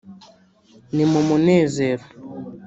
ni mu munezero”